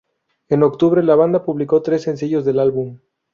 En octubre, la banda publicó tres sencillos del álbum.